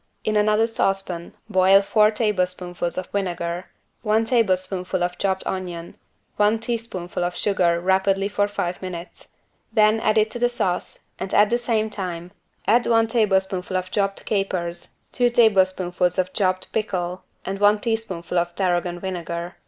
In another saucepan boil four tablespoonfuls of vinegar one tablespoonful of chopped onion, one teaspoonful of sugar rapidly for five minutes; then add it to the sauce and at the same time add one tablespoonful of chopped capers two tablespoonfuls of chopped pickle and one teaspoonful of tarragon vinegar.